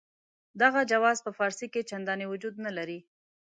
دغه جواز په فارسي کې چنداني وجود نه لري.